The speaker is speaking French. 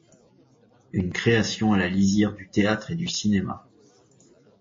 Une création à la lisière du théâtre et du cinéma.